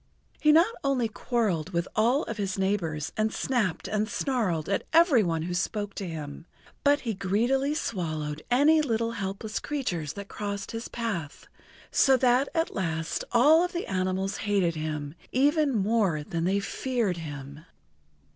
He not only quarreled with all of his neighbors and snapped and snarled at every one who spoke to him, but he greedily swallowed any little helpless creatures that crossed his path, so that at last all of the animals hated him even more than they feared him.